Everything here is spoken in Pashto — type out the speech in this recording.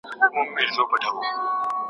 کورنۍ باید منابع ومومي.